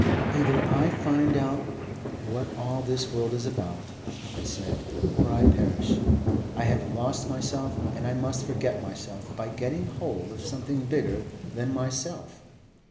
'Either I find out what all this world is about, I said, or I perish.' I have lost myself and I must forget myself by getting hold of something bigger than myself.